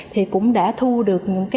thì cũng đã thu được những kết quả